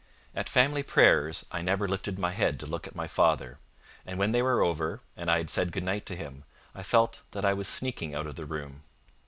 At family prayers I never lifted my head to look at my father, and when they were over, and I had said good night to him, I felt that I was sneaking out of the room.